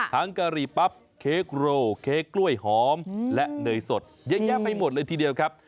กะหรี่ปั๊บเค้กโรเค้กกล้วยหอมและเนยสดเยอะแยะไปหมดเลยทีเดียวครับ